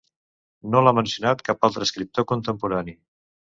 No l'ha mencionat cap altre escriptor contemporani.